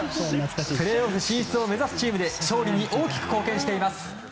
プレーオフ進出を目指すチームで勝利に大きく貢献しています。